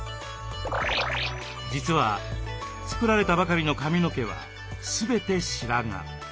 実は作られたばかりの髪の毛は全て白髪。